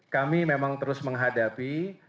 kami memang terus menghadapi